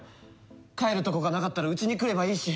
帰るとこがなかったらうちに来ればいいし。